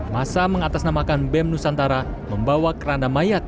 masa mengatasnamakan bem nusantara membawa keranda mayat